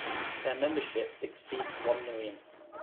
Their membership exceeds one million.